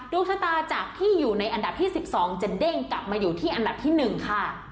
ดวงชะตาจากที่อยู่ในอันดับที่๑๒จะเด้งกลับมาอยู่ที่อันดับที่๑ค่ะ